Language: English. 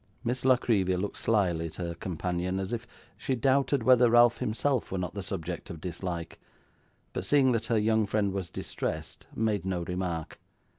Miss La Creevy looked slyly at her companion, as if she doubted whether Ralph himself were not the subject of dislike, but seeing that her young friend was distressed, made no remark.